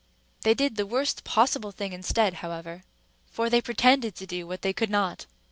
They did the worst thing possible, instead, however; for they pretended to do what they could not.